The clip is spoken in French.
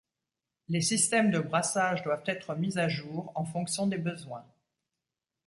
Les systèmes de brassage doivent être mis à jour, en fonction des besoins.